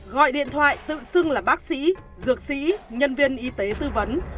gọi điện thoại tự xưng là bác sĩ dược sĩ nhân viên y tế tư vấn